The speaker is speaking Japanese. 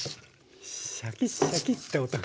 シャキッシャキッて音が。